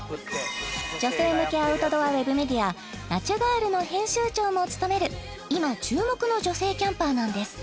女性向けアウトドアウエブメディアなちゅガールの編集長も務める今注目の女性キャンパーなんです